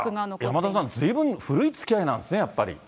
山田さん、ずいぶん古いつきあいなんですね、やっぱり。